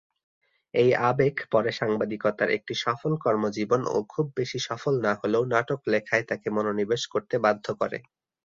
এই আবেগ পরে সাংবাদিকতার একটি সফল কর্মজীবন ও খুব বেশি সফল না হলেও নাটক লেখায় তাকে মনোনিবেশ করতে বাধ্য করে।